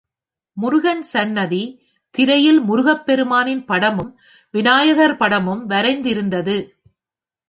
முருகன் சன்னதி, திரையில் முருகப்பெருமானின் படமும், விநாயகர் படமும் வரைந்திருந்தது.